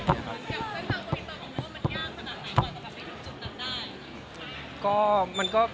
แต่ทางโรงพยาบาลของโอ้วมันยากสนับสนับก่อนนะครับไปทุกจุดนั้นได้